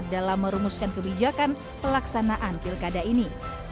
dalam merumuskan kebijakan pelaksanaan pilkada ini